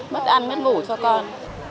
bất ăn bất ngủ cho con